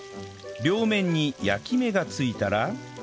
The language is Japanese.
両面に焼き目がついたら